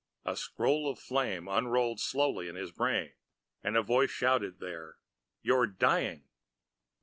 A scroll of flame unrolled slowly in his brain and a voice shouted there, "You're dying!"